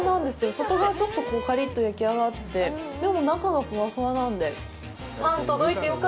外側はちょっとカリッと焼き上がって、でも、中がふわふわなんで。